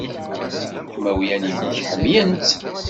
Imawlan-nnek ḥemmlen-tt.